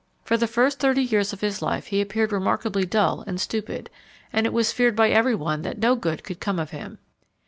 For the first thirty years of his life he appeared remarkably dull and stupid, and it was feared by every one that no good could come of him.